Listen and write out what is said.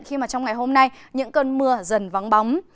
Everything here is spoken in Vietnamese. khi mà trong ngày hôm nay những cơn mưa dần vắng bóng